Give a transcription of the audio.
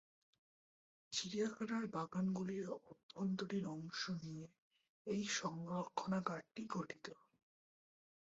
চিড়িয়াখানার বাগানগুলির অভ্যন্তরীণ অংশ নিয়ে এই সংরক্ষণাগারটি গঠিত।